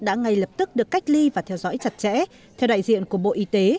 đã ngay lập tức được cách ly và theo dõi chặt chẽ theo đại diện của bộ y tế